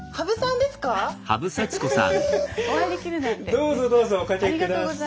どうぞどうぞお掛け下さい。